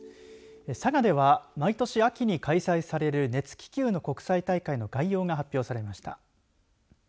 佐賀では、毎年秋に開催される熱気球の国際大会の概要が発表されました。